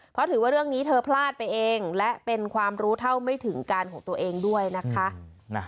เพราะถือว่าเรื่องนี้เธอพลาดไปเองและเป็นความรู้เท่าไม่ถึงการของตัวเองด้วยนะคะ